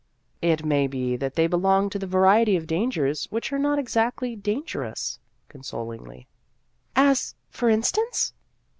" It may be that they belong to the variety of ' dangers ' which are not exactly dangerous," consolingly. " As, for instance